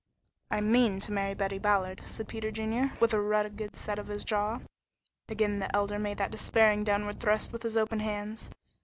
"I mean to marry Betty Ballard," said Peter Junior, with a rugged set of his jaw. Again the Elder made that despairing downward thrust with his open hands.